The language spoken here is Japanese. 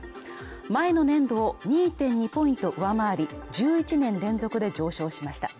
前の年度を２．２ポイント上回り、１１年連続で上昇しました。